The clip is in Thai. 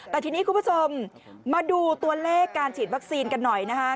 แต่ทีนี้คุณผู้ชมมาดูตัวเลขการฉีดวัคซีนกันหน่อยนะคะ